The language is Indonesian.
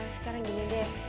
sekarang gini deh